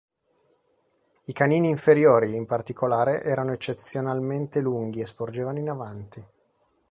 I canini inferiori, in particolare, erano eccezionalmente lunghi e sporgevano in avanti.